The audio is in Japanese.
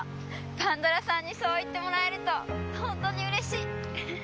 パンドラさんにそう言ってもらえるとホントにうれしい。